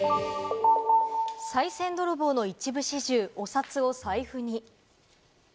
さい銭泥棒の一部始終、お札を財布に。